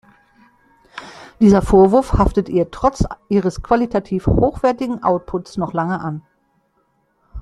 Dieser Vorwurf haftete ihr trotz ihres qualitativ hochwertigen Outputs noch lange an.